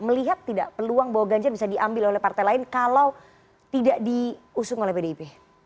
melihat tidak peluang bahwa ganjar bisa diambil oleh partai lain kalau tidak diusung oleh pdip